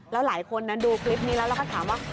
แล้วหลายคนนั้นดูคลิปนี้แล้วเราก็ถามว่า